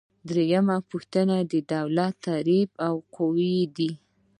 دریمه پوښتنه د دولت تعریف او قواوې دي.